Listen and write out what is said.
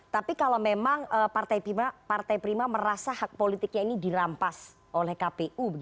tapi kalau memang partai prima merasa hak politiknya ini dirampas oleh kpu